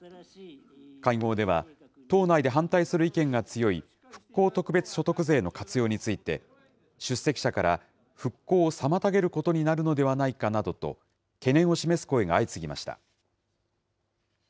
会合では、党内で反対する意見が強い復興特別所得税の活用について、出席者から、復興を妨げることになるのではないかと、懸念を示す声が相次ぎました。